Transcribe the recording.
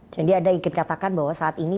jadi ada yang dikatakan bahwa saat ini